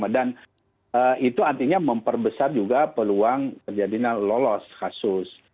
dan itu artinya memperbesar juga peluang terjadinya lolos kasus